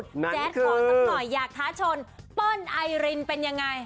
แจ๊ดขอสักหน่อยอยากท้าชนเปิ้ลไอรินเป็นยังไง